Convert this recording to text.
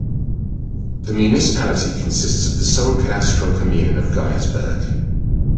The municipality consists of the sole cadastral commune of Geiersberg.